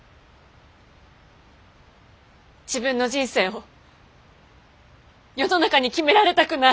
自分の人生を世の中に決められたくない。